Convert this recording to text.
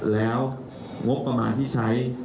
แล้วงบประมาณที่ใช้